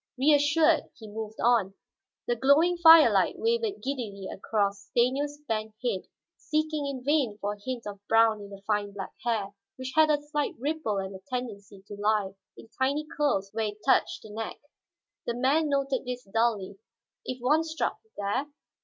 Reassured, he moved on. The glowing firelight wavered giddily across Stanief's bent head, seeking in vain for a hint of brown in the fine black hair, which had a slight ripple and a tendency to lie in tiny curls where it touched the neck. The man noted this dully. If one struck there?